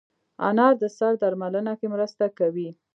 انار د سر درملنه کې مرسته کوي.